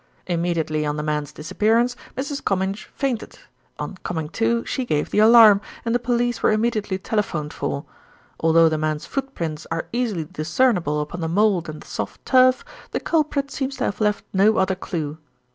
Immediately on the man's disappearance, Mrs. Comminge fainted. On coming to she gave the alarm, and the police were immediately telephoned for. Although the man's footprints are easily discernible upon the mould and the soft turf, the culprit seems to have left no other clue.